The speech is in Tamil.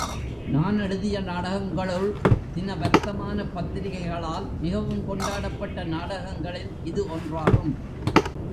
நான் எழுதிய நாடகங்களுள், தின வர்த்தமானப் பத்திரிகைகளால் மிகவும் கொண்டாடப்பட்ட நாடகங்களில் இது ஒன்றாகும்.